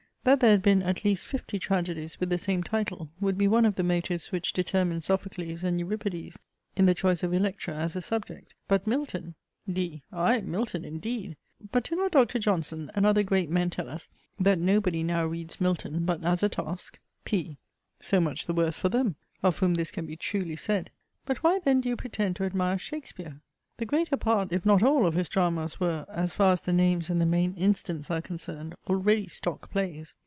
That there had been at least fifty tragedies with the same title, would be one of the motives which determined Sophocles and Euripides, in the choice of Electra as a subject. But Milton D. Aye Milton, indeed! but do not Dr. Johnson and other great men tell us, that nobody now reads Milton but as a task? P. So much the worse for them, of whom this can be truly said! But why then do you pretend to admire Shakespeare? The greater part, if not all, of his dramas were, as far as the names and the main incidents are concerned, already stock plays.